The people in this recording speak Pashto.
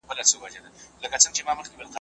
دا د یو پاچا لپاره شرم و.